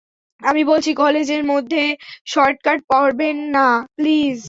আমি বলছি কলেজে মধ্যে শর্ট স্কার্ট পরবেন না প্লিজ।